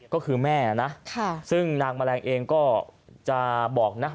ก็คือแม่นะซึ่งนางแมลงเองก็จะบอกนะ